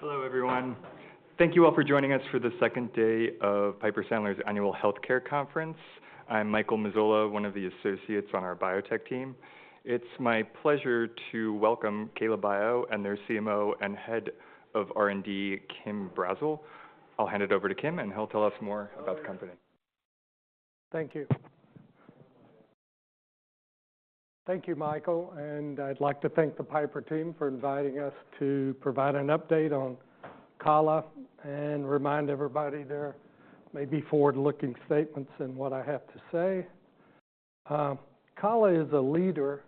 Hello, everyone. Thank you all for joining us for the second day of Piper Sandler's annual healthcare conference. I'm Michael Mazzola, one of the associates on our biotech team. It's my pleasure to welcome KALA BIO and their CMO and head of R&D, Kim Brazzell. I'll hand it over to Kim, and he'll tell us more about the company. Thank you. Thank you, Michael. And I'd like to thank the Piper team for inviting us to provide an update on KALA and remind everybody there may be forward-looking statements in what I have to say. KALA is a leader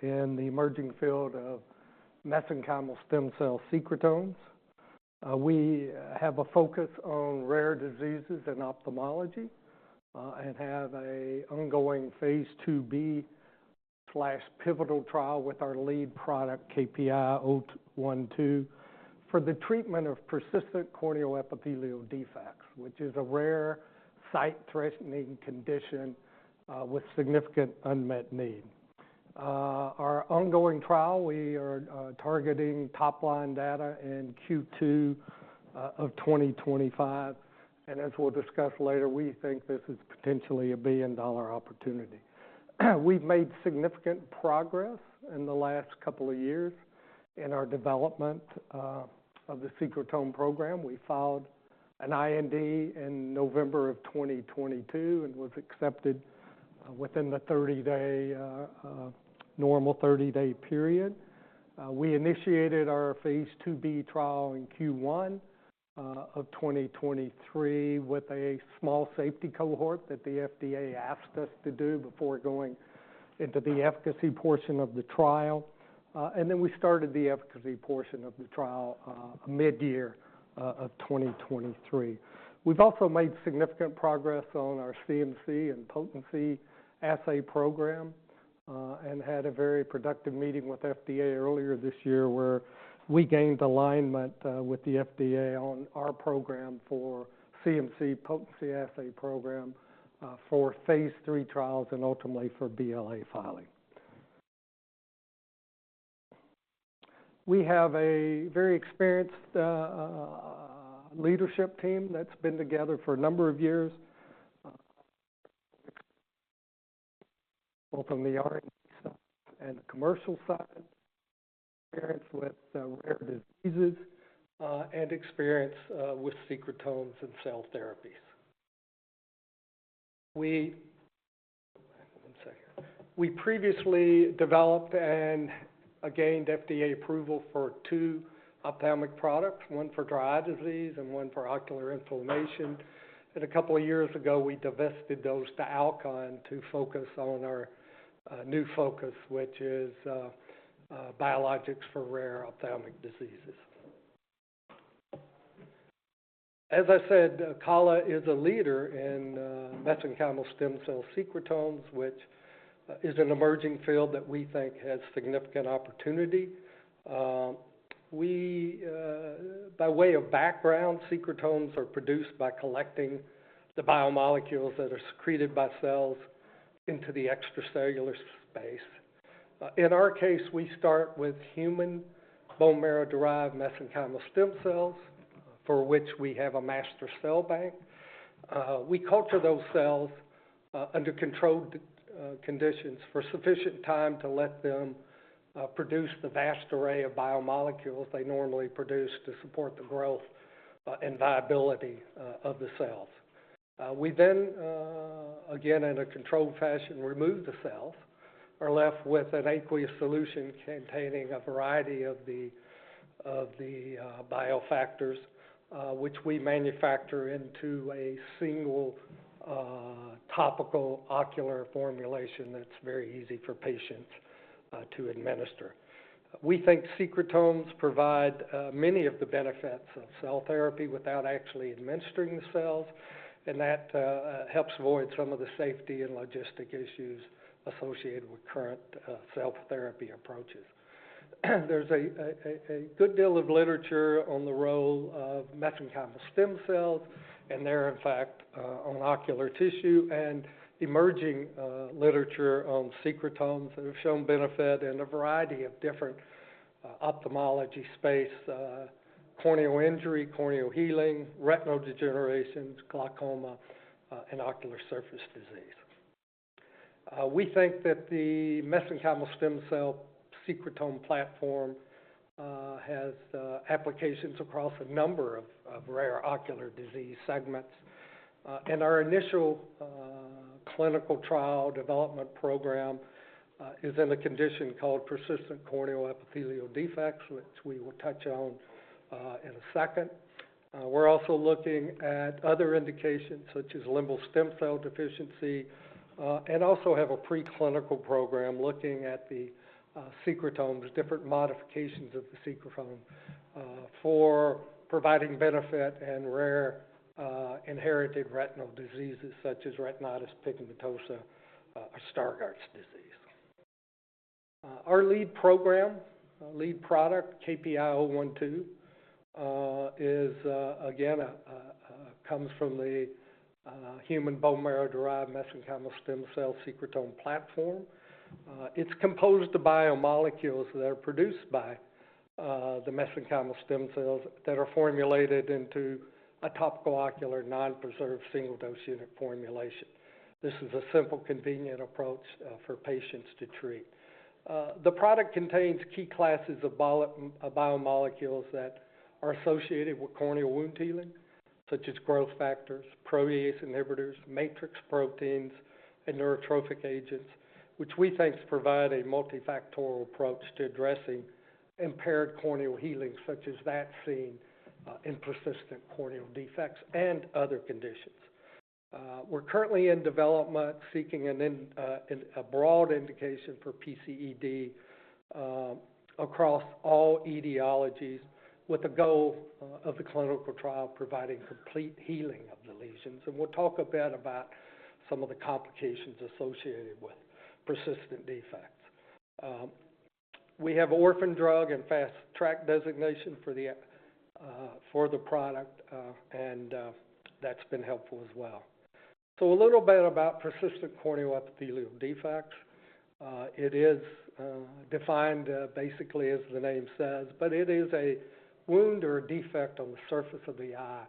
in the emerging field of mesenchymal stem cell secretomes. We have a focus on rare diseases and ophthalmology and have an ongoing phase IIb/pivotal trial with our lead product, KPI-012, for the treatment of persistent corneal epithelial defects, which is a rare sight-threatening condition with significant unmet need. Our ongoing trial, we are targeting top-line data in Q2 of 2025. And as we'll discuss later, we think this is potentially a billion-dollar opportunity. We've made significant progress in the last couple of years in our development of the secretome program. We filed an IND in November of 2022 and was accepted within the normal 30-day period. We initiated our phase IIb trial in Q1 of 2023 with a small safety cohort that the FDA asked us to do before going into the efficacy portion of the trial, and then we started the efficacy portion of the trial mid-year of 2023. We've also made significant progress on our CMC and potency assay program and had a very productive meeting with the FDA earlier this year where we gained alignment with the FDA on our program for CMC potency assay program for phase III trials and ultimately for BLA filing. We have a very experienced leadership team that's been together for a number of years, both on the R&D side and the commercial side, experience with rare diseases, and experience with secretomes and cell therapies. We previously developed and gained FDA approval for two ophthalmic products, one for dry eye disease and one for ocular inflammation. A couple of years ago, we divested those to Alcon to focus on our new focus, which is biologics for rare ophthalmic diseases. As I said, KALA is a leader in mesenchymal stem cell secretomes, which is an emerging field that we think has significant opportunity. By way of background, secretomes are produced by collecting the biomolecules that are secreted by cells into the extracellular space. In our case, we start with human bone marrow-derived mesenchymal stem cells, for which we have a master cell bank. We culture those cells under controlled conditions for sufficient time to let them produce the vast array of biomolecules they normally produce to support the growth and viability of the cells. We then, again, in a controlled fashion, remove the cells and are left with an aqueous solution containing a variety of the biofactors, which we manufacture into a single topical ocular formulation that's very easy for patients to administer. We think secretomes provide many of the benefits of cell therapy without actually administering the cells, and that helps avoid some of the safety and logistic issues associated with current cell therapy approaches. There's a good deal of literature on the role of mesenchymal stem cells, and, in fact, on ocular tissue, and emerging literature on secretomes that have shown benefit in a variety of different ophthalmology spaces: corneal injury, corneal healing, retinal degeneration, glaucoma, and ocular surface disease. We think that the mesenchymal stem cell secretome platform has applications across a number of rare ocular disease segments. Our initial clinical trial development program is in a condition called persistent corneal epithelial defects, which we will touch on in a second. We're also looking at other indications such as limbal stem cell deficiency and also have a preclinical program looking at the secretomes, different modifications of the secretome for providing benefit in rare inherited retinal diseases such as retinitis pigmentosa or Stargardt's disease. Our lead program, lead product, KPI-012, again, comes from the human bone marrow-derived mesenchymal stem cell secretome platform. It's composed of biomolecules that are produced by the mesenchymal stem cells that are formulated into a topical ocular non-preserved single-dose unit formulation. This is a simple, convenient approach for patients to treat. The product contains key classes of biomolecules that are associated with corneal wound healing, such as growth factors, protease inhibitors, matrix proteins, and neurotrophic agents, which we think provide a multifactorial approach to addressing impaired corneal healing, such as that seen in persistent corneal defects and other conditions. We're currently in development, seeking a broad indication for PCED across all etiologies, with the goal of the clinical trial providing complete healing of the lesions. And we'll talk a bit about some of the complications associated with persistent defects. We have an orphan drug and fast-track designation for the product, and that's been helpful as well. So a little bit about persistent corneal epithelial defects. It is defined basically as the name says, but it is a wound or defect on the surface of the eye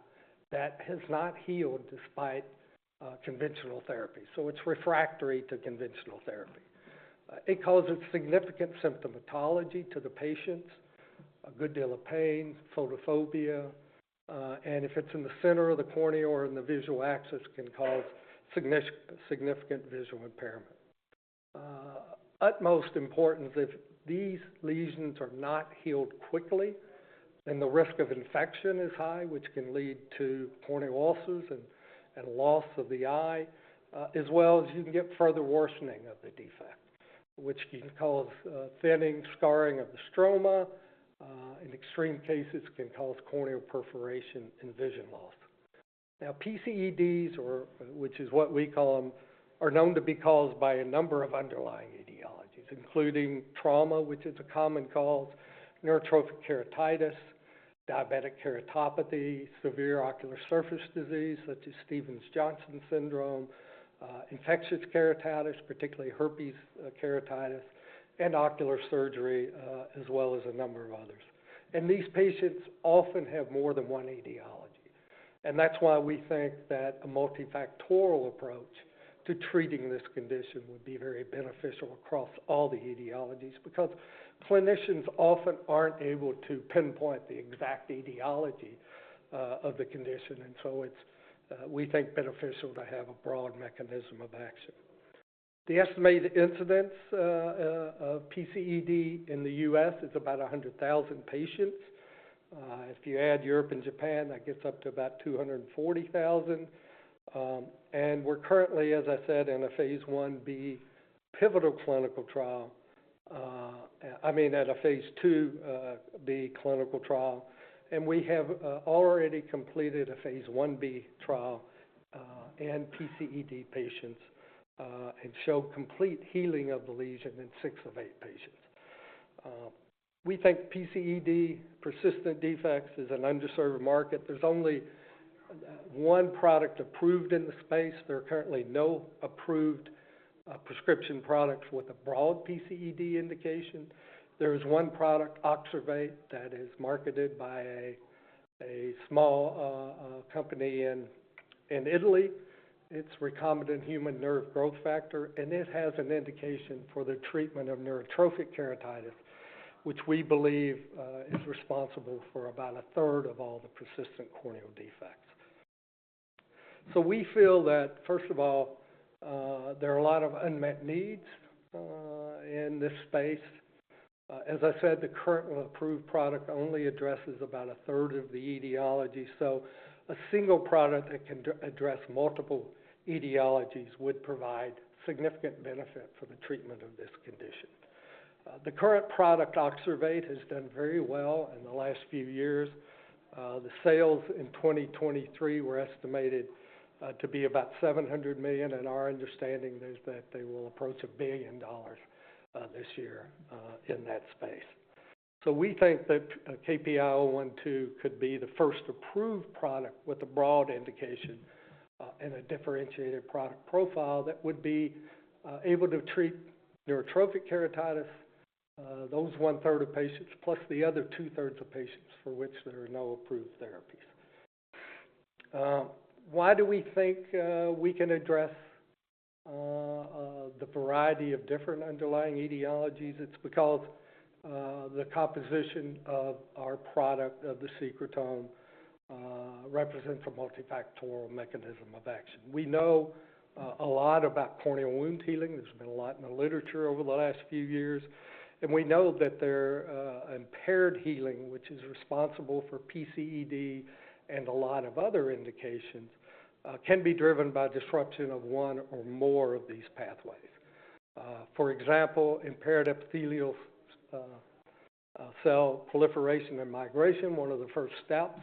that has not healed despite conventional therapy. So it's refractory to conventional therapy. It causes significant symptomatology to the patients, a good deal of pain, photophobia, and if it's in the center of the cornea or in the visual axis, it can cause significant visual impairment. Utmost importance, if these lesions are not healed quickly, then the risk of infection is high, which can lead to corneal ulcers and loss of the eye, as well as you can get further worsening of the defect, which can cause thinning, scarring of the stroma, and extreme cases can cause corneal perforation and vision loss. Now, PCEDs, which is what we call them, are known to be caused by a number of underlying etiologies, including trauma, which is a common cause, neurotrophic keratitis, diabetic keratopathy, severe ocular surface disease, such as Stevens-Johnson syndrome, infectious keratitis, particularly herpes keratitis, and ocular surgery, as well as a number of others. These patients often have more than one etiology. That's why we think that a multifactorial approach to treating this condition would be very beneficial across all the etiologies because clinicians often aren't able to pinpoint the exact etiology of the condition. So we think it's beneficial to have a broad mechanism of action. The estimated incidence of PCED in the U.S. is about 100,000 patients. If you add Europe and Japan, that gets up to about 240,000. We're currently, as I said, in a phase Ib pivotal clinical trial, I mean, at phase IIb clinical trial. We have already completed a phase Ib trial in PCED patients and showed complete healing of the lesion in six of eight patients. We think PCED persistent defects is an underserved market. There's only one product approved in the space. There are currently no approved prescription products with a broad PCED indication. There is one product, Oxervate, that is marketed by a small company in Italy. It's recombinant human nerve growth factor, and it has an indication for the treatment of neurotrophic keratitis, which we believe is responsible for about a third of all the persistent corneal defects, so we feel that, first of all, there are a lot of unmet needs in this space. As I said, the currently approved product only addresses about a third of the etiology, so a single product that can address multiple etiologies would provide significant benefit for the treatment of this condition. The current product, Oxervate, has done very well in the last few years. The sales in 2023 were estimated to be about $700 million, and our understanding is that they will approach $1 billion this year in that space. So we think that KPI-012 could be the first approved product with a broad indication and a differentiated product profile that would be able to treat neurotrophic keratitis, those one-third of patients, plus the other two-thirds of patients for which there are no approved therapies. Why do we think we can address the variety of different underlying etiologies? It's because the composition of our product, of the secretome, represents a multifactorial mechanism of action. We know a lot about corneal wound healing. There's been a lot in the literature over the last few years. And we know that their impaired healing, which is responsible for PCED and a lot of other indications, can be driven by disruption of one or more of these pathways. For example, impaired epithelial cell proliferation and migration, one of the first steps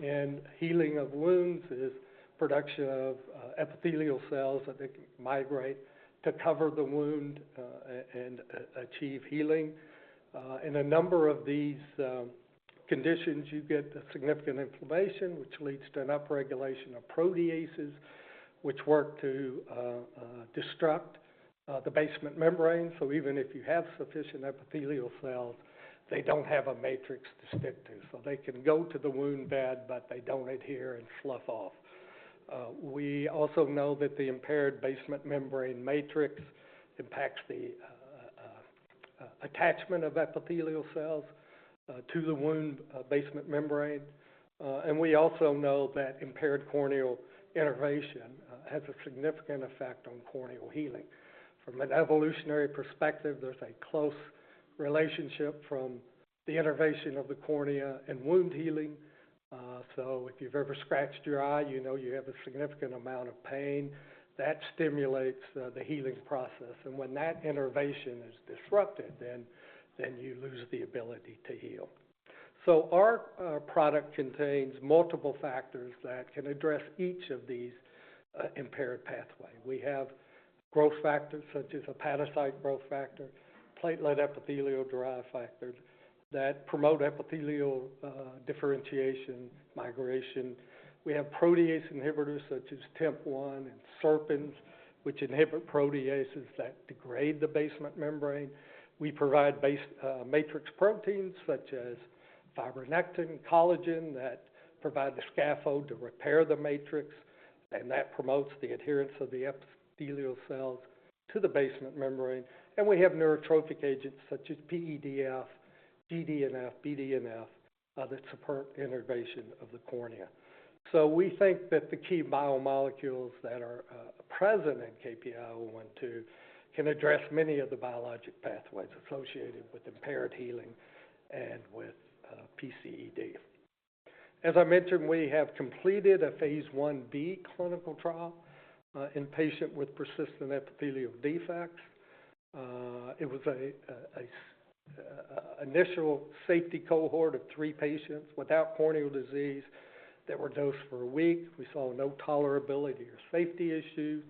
in healing of wounds, is production of epithelial cells that migrate to cover the wound and achieve healing. In a number of these conditions, you get significant inflammation, which leads to an upregulation of proteases, which work to disrupt the basement membrane. So even if you have sufficient epithelial cells, they don't have a matrix to stick to. So they can go to the wound bed, but they don't adhere and slough off. We also know that the impaired basement membrane matrix impacts the attachment of epithelial cells to the wound basement membrane, and we also know that impaired corneal innervation has a significant effect on corneal healing. From an evolutionary perspective, there's a close relationship from the innervation of the cornea and wound healing. So if you've ever scratched your eye, you know you have a significant amount of pain. That stimulates the healing process. And when that innervation is disrupted, then you lose the ability to heal. So our product contains multiple factors that can address each of these impaired pathways. We have growth factors such as hepatocyte growth factor, pigment epithelium-derived factors that promote epithelial differentiation, migration. We have protease inhibitors such as TIMP-1 and serpins, which inhibit proteases that degrade the basement membrane. We provide matrix proteins such as fibronectin and collagen that provide the scaffold to repair the matrix, and that promotes the adherence of the epithelial cells to the basement membrane. And we have neurotrophic agents such as PEDF, GDNF, BDNF that support innervation of the cornea. We think that the key biomolecules that are present in KPI-012 can address many of the biologic pathways associated with impaired healing and with PCED. As I mentioned, we have completed a phase Ib clinical trial in a patient with persistent epithelial defects. It was an initial safety cohort of three patients without corneal disease that were dosed for a week. We saw no tolerability or safety issues,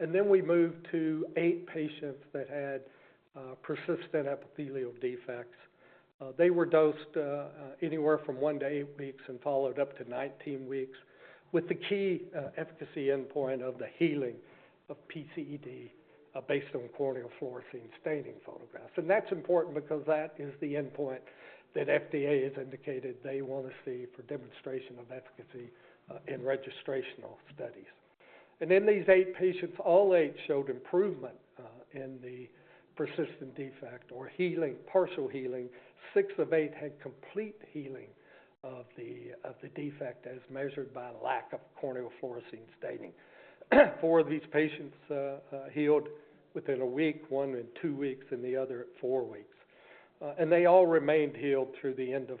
then we moved to eight patients that had persistent epithelial defects. They were dosed anywhere from one to eight weeks and followed up to 19 weeks with the key efficacy endpoint of the healing of PCED based on corneal fluorescein staining photographs. That's important because that is the endpoint that FDA has indicated they want to see for demonstration of efficacy in registrational studies. In these eight patients, all eight showed improvement in the persistent defect or healing, partial healing. Six of eight had complete healing of the defect as measured by lack of corneal fluorescein staining. Four of these patients healed within a week, one in two weeks, and the other at four weeks. They all remained healed through the end of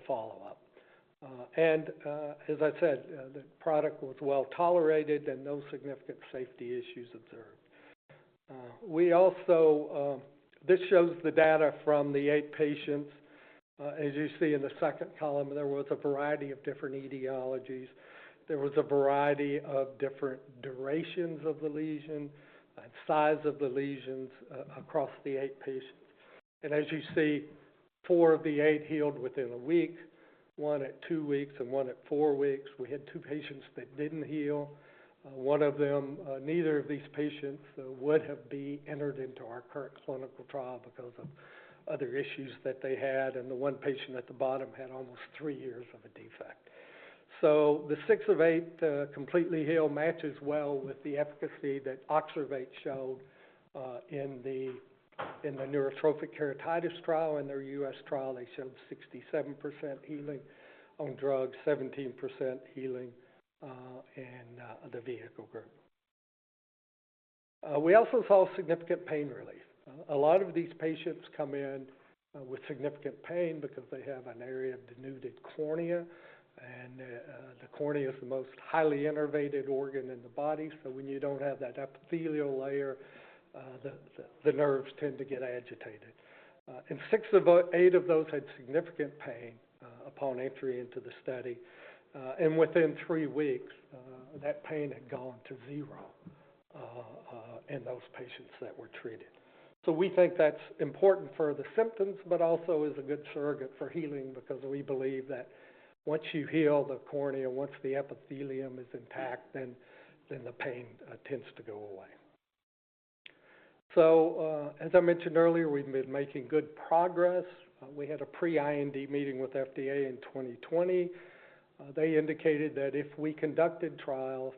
follow-up. As I said, the product was well tolerated and no significant safety issues observed. This shows the data from the eight patients. As you see in the second column, there was a variety of different etiologies. There was a variety of different durations of the lesion and size of the lesions across the eight patients. As you see, four of the eight healed within a week, one at two weeks, and one at four weeks. We had two patients that didn't heal. One of them, neither of these patients would have been entered into our current clinical trial because of other issues that they had. And the one patient at the bottom had almost three years of a defect. So the six of eight completely healed matches well with the efficacy that Oxervate showed in the neurotrophic keratitis trial. In their U.S. trial, they showed 67% healing on drug, 17% healing in the vehicle group. We also saw significant pain relief. A lot of these patients come in with significant pain because they have an area of denuded cornea. And the cornea is the most highly innervated organ in the body. So when you don't have that epithelial layer, the nerves tend to get agitated. And eight of those had significant pain upon entry into the study. Within three weeks, that pain had gone to zero in those patients that were treated. We think that's important for the symptoms, but also is a good surrogate for healing because we believe that once you heal the cornea, once the epithelium is intact, then the pain tends to go away. As I mentioned earlier, we've been making good progress. We had a pre-IND meeting with FDA in 2020. They indicated that if we conducted trials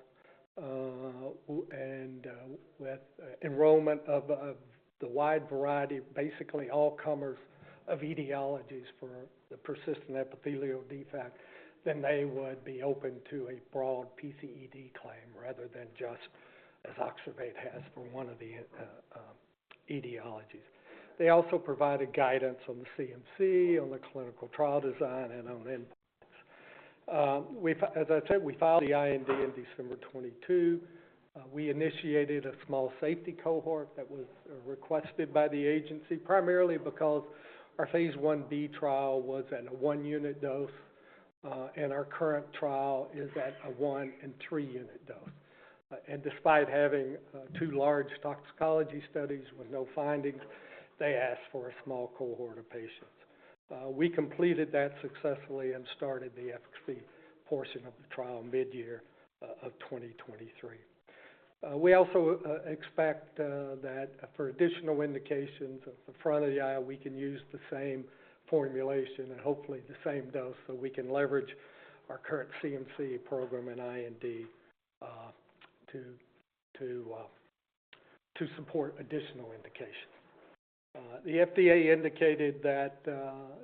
and with enrollment of the wide variety, basically all comers of etiologies for the persistent epithelial defect, then they would be open to a broad PCED claim rather than just as Oxervate has for one of the etiologies. They also provided guidance on the CMC, on the clinical trial design, and on endpoints. As I said, we filed the IND in December 2022. We initiated a small safety cohort that was requested by the agency primarily because our phase Ib trial was at a one-unit dose, and our current trial is at a one- and three-unit dose, and despite having two large toxicology studies with no findings, they asked for a small cohort of patients. We completed that successfully and started the efficacy portion of the trial mid-year of 2023. We also expect that for additional indications at the front of the eye, we can use the same formulation and hopefully the same dose so we can leverage our current CMC program and IND to support additional indications. The FDA indicated that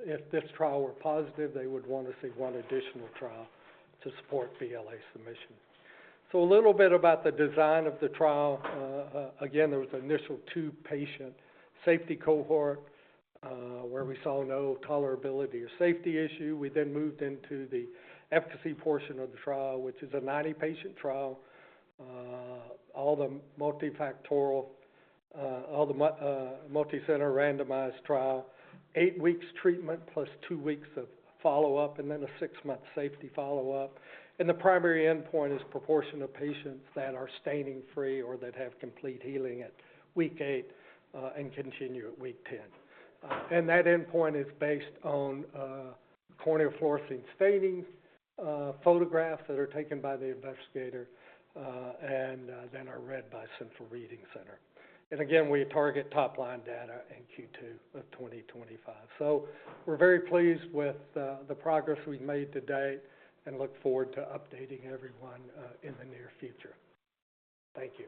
if this trial were positive, they would want to see one additional trial to support BLA submission, so a little bit about the design of the trial. Again, there was an initial two-patient safety cohort where we saw no tolerability or safety issue. We then moved into the efficacy portion of the trial, which is a 90-patient, multifactorial, multi-center randomized trial, eight weeks treatment plus two weeks of follow-up, and then a six-month safety follow-up. And the primary endpoint is proportion of patients that are staining free or that have complete healing at week eight and continue at week ten. And that endpoint is based on corneal fluorescein staining photographs that are taken by the investigator and then are read by Central Reading Center. And again, we target top-line data in Q2 of 2025. So we're very pleased with the progress we've made to date and look forward to updating everyone in the near future. Thank you.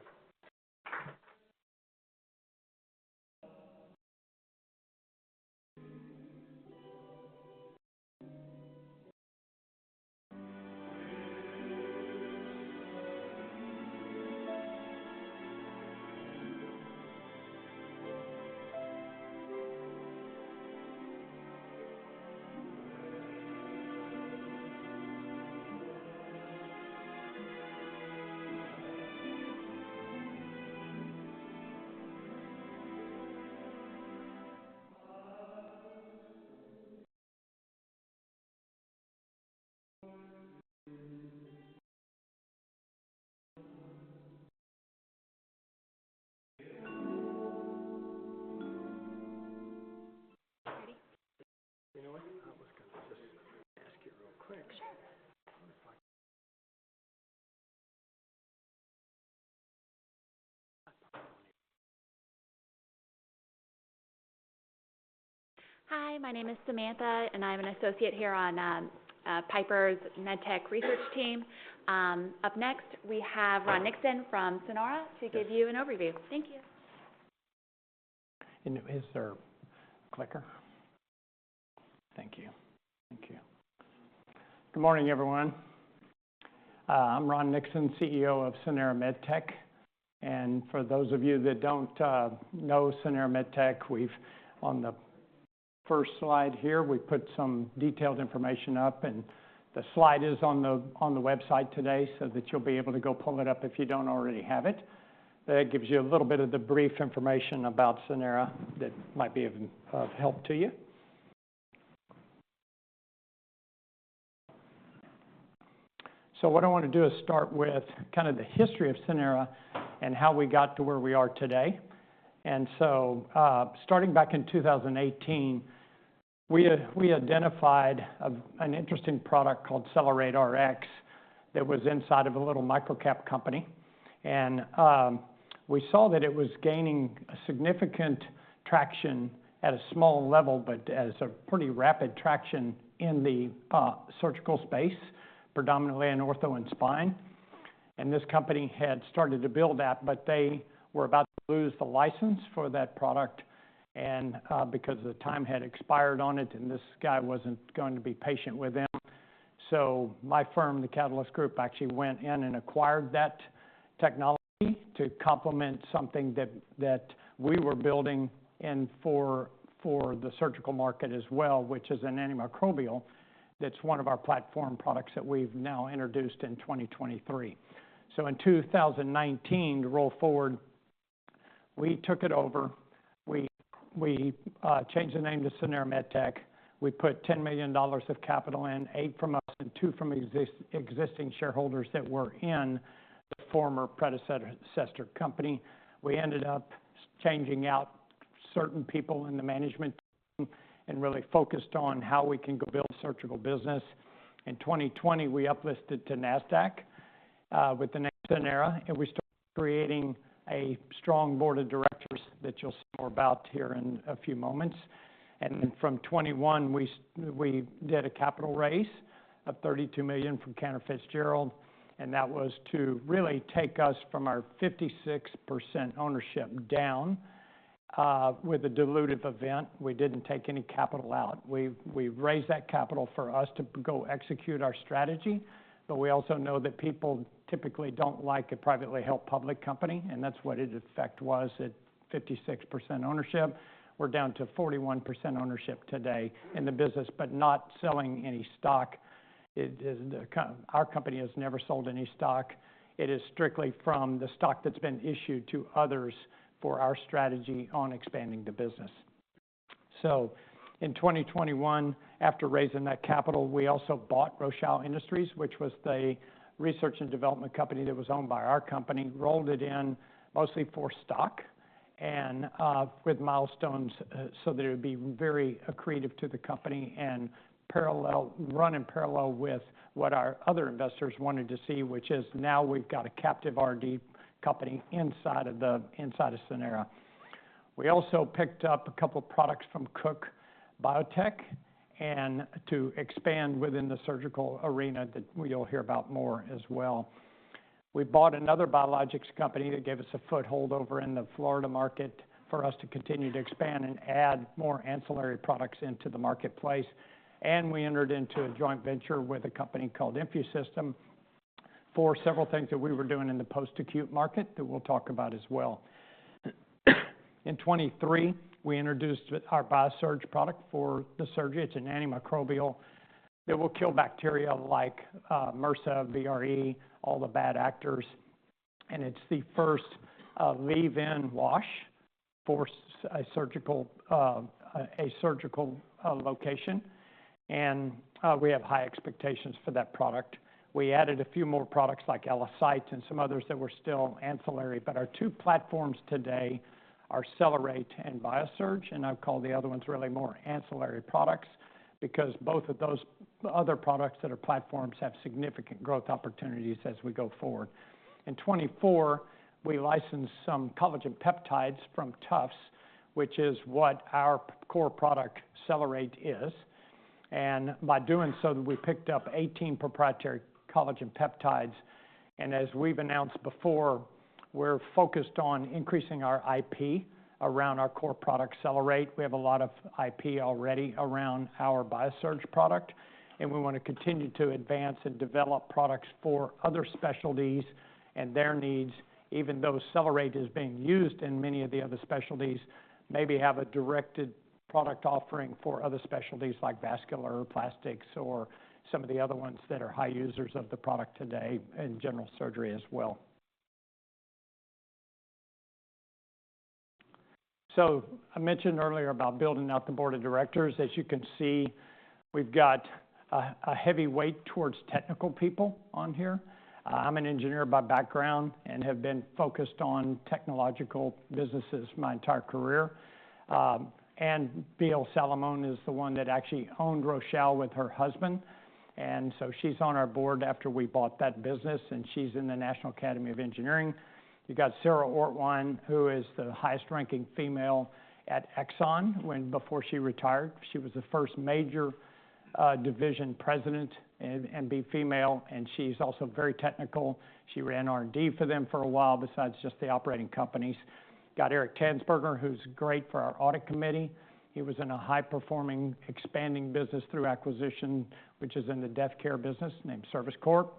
Hi, my name is Samantha, and I'm an associate here on Piper Sandler's MedTech research team. Up next, we have Ron Nixon from Sanara to give you an overview. Thank you. And is there a clicker? Thank you. Thank you. Good morning, everyone. I'm Ron Nixon, CEO of Sanara MedTech. And for those of you that don't know Sanara MedTech, on the first slide here, we put some detailed information up. And the slide is on the website today so that you'll be able to go pull it up if you don't already have it. That gives you a little bit of the brief information about Sanara that might be of help to you. So what I want to do is start with kind of the history of Sanara and how we got to where we are today. And so starting back in 2018, we identified an interesting product called CellerateRX that was inside of a little microcap company. We saw that it was gaining significant traction at a small level, but as a pretty rapid traction in the surgical space, predominantly in ortho and spine. This company had started to build that, but they were about to lose the license for that product because the time had expired on it, and this guy wasn't going to be patient with them. My firm, The Catalyst Group, actually went in and acquired that technology to complement something that we were building for the surgical market as well, which is an antimicrobial that's one of our platform products that we've now introduced in 2023. In 2019, to roll forward, we took it over. We changed the name to Sanara MedTech. We put $10 million of capital in, eight from us and two from existing shareholders that were in the former predecessor company. We ended up changing out certain people in the management team and really focused on how we can go build surgical business. In 2020, we uplisted to Nasdaq with the name Sanara, and we started creating a strong board of directors that you'll see more about here in a few moments. Then from 2021, we did a capital raise of $32 million from Cantor Fitzgerald, and that was to really take us from our 56% ownership down with a dilutive event. We didn't take any capital out. We raised that capital for us to go execute our strategy, but we also know that people typically don't like a privately held public company. And that's what in effect was at 56% ownership. We're down to 41% ownership today in the business, but not selling any stock. Our company has never sold any stock. It is strictly from the stock that's been issued to others for our strategy on expanding the business. So in 2021, after raising that capital, we also bought Rochal Industries, which was the research and development company that was owned by our company, rolled it in mostly for stock and with milestones so that it would be very accretive to the company and run in parallel with what our other investors wanted to see, which is now we've got a captive R&D company inside of Sanara. We also picked up a couple of products from Cook Biotech to expand within the surgical arena that you'll hear about more as well. We bought another biologics company that gave us a foothold over in the Florida market for us to continue to expand and add more ancillary products into the marketplace. And we entered into a joint venture with a company called InfuSystem for several things that we were doing in the post-acute market that we'll talk about as well. In 2023, we introduced our BIASURGE product for the surgery. It's an antimicrobial that will kill bacteria like MRSA, VRE, all the bad actors. And it's the first leave-in wash for a surgical location. And we have high expectations for that product. We added a few more products like ALLOCYTE and some others that were still ancillary. But our two platforms today are Cellerate and BIASURGE, and I'll call the other ones really more ancillary products because both of those other products that are platforms have significant growth opportunities as we go forward. In 2024, we licensed some collagen peptides from Tufts, which is what our core product Cellerate is. And by doing so, we picked up 18 proprietary collagen peptides. And as we've announced before, we're focused on increasing our IP around our core product Cellerate. We have a lot of IP already around our BIASURGE product, and we want to continue to advance and develop products for other specialties and their needs, even though Cellerate is being used in many of the other specialties. Maybe have a directed product offering for other specialties like vascular or plastics or some of the other ones that are high users of the product today in general surgery as well. So I mentioned earlier about building out the board of directors. As you can see, we've got a heavy weight towards technical people on here. I'm an engineer by background and have been focused on technological businesses my entire career. And Bea Salamone is the one that actually owned Rochal with her husband. And so she's on our board after we bought that business, and she's in the National Academy of Engineering. You got Sarah Ortwein, who is the highest-ranking female at Exxon. Before she retired, she was the first major division president and to be female. And she's also very technical. She ran R&D for them for a while besides just the operating companies. Got Eric Tanzberger, who's great for our audit committee. He was in a high-performing expanding business through acquisition, which is in the death care business named Service Corporation.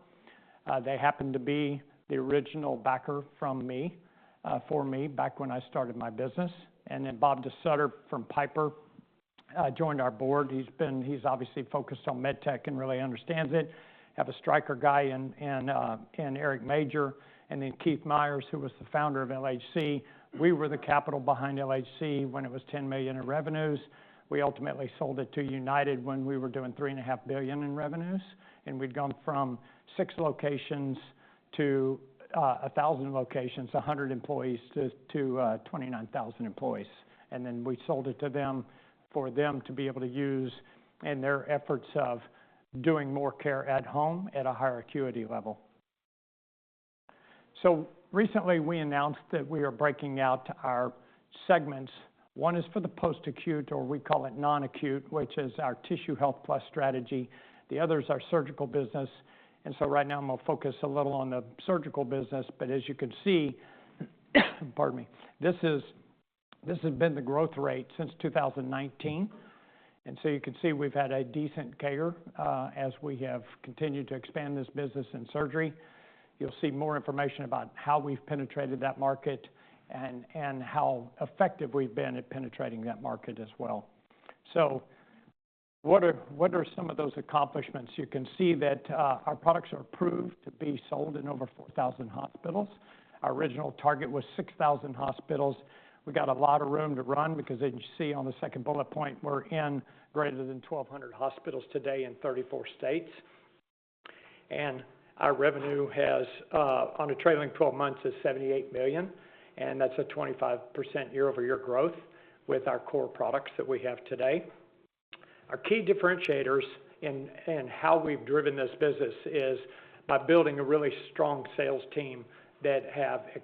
They happened to be the original backer for me back when I started my business. And then Bob DeSutter from Piper Sandler joined our board. He's obviously focused on med tech and really understands it. Have a Stryker guy and Eric Major, and then Keith Myers, who was the founder of LHC. We were the capital behind LHC when it was $10 million in revenues. We ultimately sold it to United when we were doing $3.5 billion in revenues. We'd gone from six locations to 1,000 locations, 100 employees to 29,000 employees. Then we sold it to them for them to be able to use in their efforts of doing more care at home at a higher acuity level. Recently, we announced that we are breaking out our segments. One is for the post-acute, or we call it non-acute, which is our Tissue Health Plus strategy. The others are surgical business. Right now, I'm going to focus a little on the surgical business, but as you can see, pardon me, this has been the growth rate since 2019. You can see we've had a decent year as we have continued to expand this business in surgery. You'll see more information about how we've penetrated that market and how effective we've been at penetrating that market as well. What are some of those accomplishments? You can see that our products are approved to be sold in over 4,000 hospitals. Our original target was 6,000 hospitals. We got a lot of room to run because as you see on the second bullet point, we're in greater than 1,200 hospitals today in 34 states. Our revenue on a trailing 12 months is $78 million, and that's a 25% year-over-year growth with our core products that we have today. Our key differentiators in how we've driven this business is by building a really strong sales team that have.